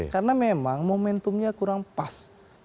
karena memang momentumnya kurang pas